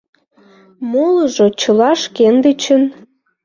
Молыжо чыла шкендычын.